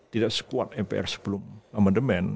tidak sekuat mpr sebelum